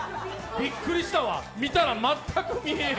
びっくりしたわ、見たら全く見えへん。